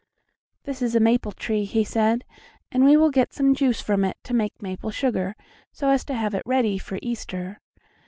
"This is a maple tree," he said, "and we will get some juice from it to make maple sugar, so as to have it ready for Easter.